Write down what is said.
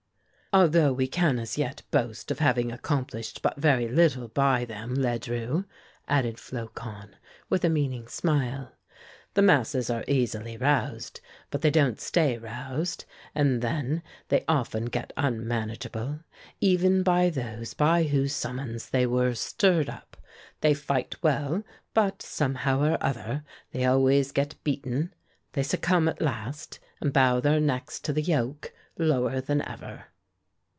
"Although we can as yet boast of having accomplished but very little by them, Ledru," added Flocon, with a meaning smile. "The masses are easily roused, but they don't stay roused, and then they often get unmanageable, even by those by whose summons they were stirred up. They fight well, but, somehow or other, they always get beaten; they succumb at last, and bow their necks to the yoke lower than ever."